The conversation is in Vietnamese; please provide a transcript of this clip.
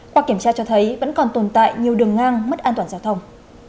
qua kiểm tra cho thấy vẫn còn tồn tại nhiều đường ngang mất an toàn giao thông